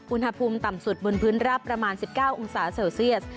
อุณหภูมิต่ำสุดบนพื้นราบประมาณ๑๙องศาเซลเซียส